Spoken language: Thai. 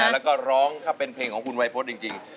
แล้วก็ร้องถ้าเป็นเพลงของคุณวัยพฤษจริง